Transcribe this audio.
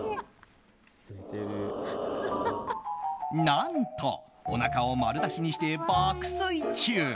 何と、おなかを丸出しにして爆睡中！